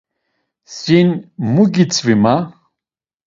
Sin mu gitzvi ma?